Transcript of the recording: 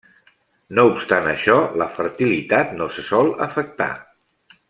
No obstant això, la fertilitat no se sol afectar.